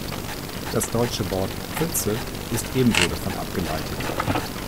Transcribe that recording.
Das deutsche Wort „Pfütze“ ist ebenso davon abgeleitet.